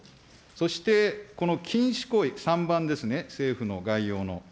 そして、この禁止行為、３番ですね、政府の概要の。